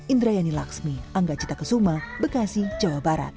indrayani laksmi angga cita kesuma bekasi jawa barat